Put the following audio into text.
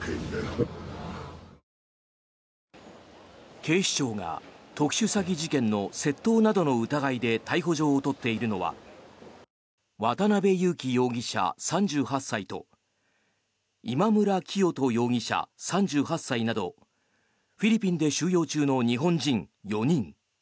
警視庁が特殊詐欺事件の窃盗などの疑いで逮捕状を取っているのは渡邉優樹容疑者、３８歳と今村磨人容疑者、３８歳などフィリピンで収容中の日本人４人。